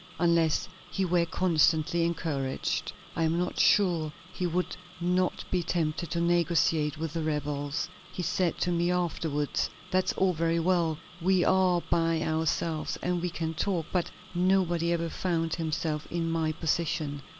Unless he were constantly encouraged, I am not sure he would not be tempted to negotiate with the rebels. He said to me afterwards: 'That's all very well! We are by ourselves and we can talk; but nobody ever found himself in my position.